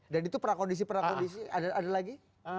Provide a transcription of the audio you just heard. dan itu prakondisi prakondisi ada lagi